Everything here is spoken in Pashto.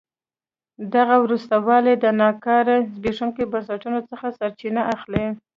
دغه وروسته والی د ناکاره زبېښونکو بنسټونو څخه سرچینه اخلي.